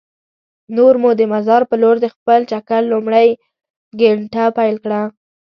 نور مو د مزار په لور د خپل چکر لومړۍ ګېنټه پیل کړه.